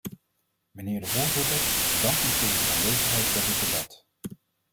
Mijnheer de voorzitter, ik dank u voor uw aanwezigheid bij dit debat.